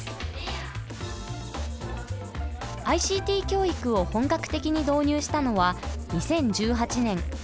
ＩＣＴ教育を本格的に導入したのは２０１８年。